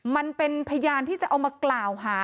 มันเป็นพยานที่จะเอามากล่าวหา